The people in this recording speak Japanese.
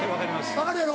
分かるやろ。